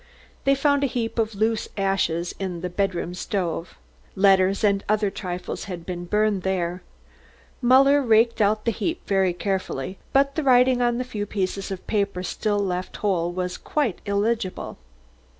They found a heap of loose ashes in the bedroom stove. Letters and other trifles had been burned there. Muller raked out the heap very carefully, but the writing on the few pieces of paper still left whole was quite illegible.